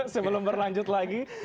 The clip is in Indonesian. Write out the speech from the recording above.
sebelum berlanjut lagi